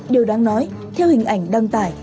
điều đáng nói theo hình ảnh đăng tải